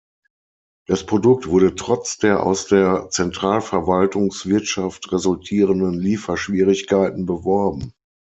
Das Produkt wurde trotz der aus der Zentralverwaltungswirtschaft resultierenden Lieferschwierigkeiten beworben.